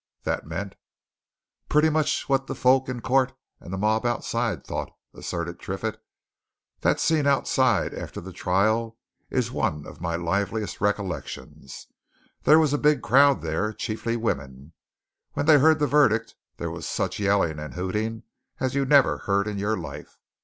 That meant " "Pretty much what the folk in court and the mob outside thought," asserted Triffitt. "That scene outside, after the trial, is one of my liveliest recollections. There was a big crowd there chiefly women. When they heard the verdict there was such yelling and hooting as you never heard in your life!